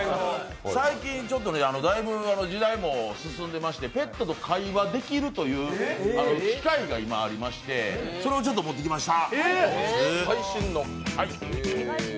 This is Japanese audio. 最近、だいぶ時代も進んでまして、ペットと会話できるという機械がありましてそれを持ってきました。